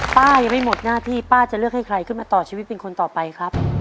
ป้ายังไม่หมดหน้าที่ป้าจะเลือกให้ใครขึ้นมาต่อชีวิตเป็นคนต่อไปครับ